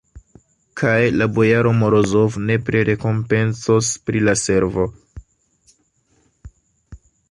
Kaj la bojaro Morozov nepre rekompencos pri la servo.